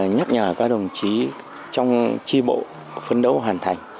nhắc nhở các đồng chí trong tri bộ phấn đấu hoàn thành